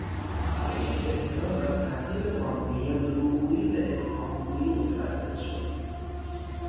برای احتراز از تعقیب قانونی یادروغگویی به ابهام گویی متوسل شد.